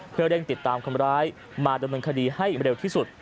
เพื่อเร่งติดตามคนร้ายมาดำเนินคดีให้เร็วที่สุด